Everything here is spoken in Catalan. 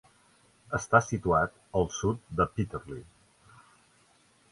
Està situat al sud de Peterlee.